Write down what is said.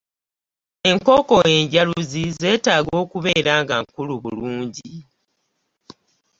Enkoko enjaluzi zeetaaga okubeera nga nkulu bulungi.